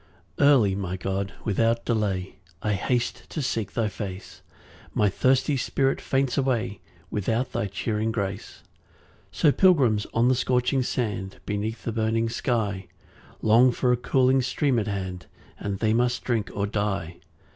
1 Early, my God, without delay I haste to seek thy face; My thirsty spirit faints away, Without thy cheering grace. 2 So pilgrims on the scorching sand, Beneath a burning sky, Long for a cooling stream at hand, And they must drink or die.